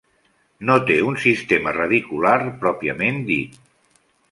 No té un sistema radicular pròpiament dit.